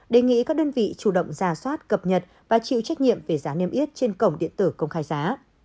đề nghị các đơn vị chủ động ra soát cập nhật và chịu trách nhiệm về giá niêm yết trên cổng điện tử công khai giá